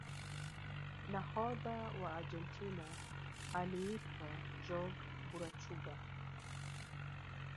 nahodha wa argentina aliitwa jorge burachuga